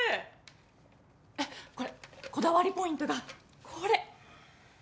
えっこれこだわりポイントがこれ！